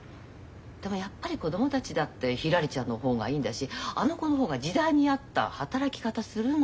でもやっぱり子供たちだってひらりちゃんの方がいいんだしあの子の方が時代に合った働き方するのよ。